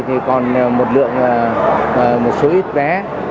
thì còn một lượng một số ít vé